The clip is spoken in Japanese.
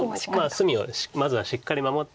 隅をまずはしっかり守って。